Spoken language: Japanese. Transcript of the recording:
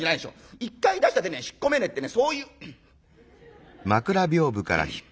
一回出した銭は引っ込めねえってねそういう」。